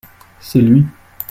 c'est lui.